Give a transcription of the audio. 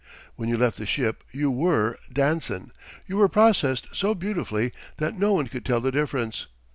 When you left the ship, you were Danson. You were processed so beautifully that no one could tell the difference.